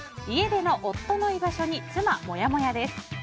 家での夫の居場所に妻モヤモヤです。